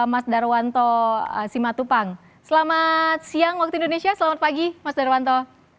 mas darwanto simatupang selamat siang waktu indonesia selamat pagi mas darwanto